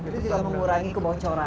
itu juga mengurangi kebocoran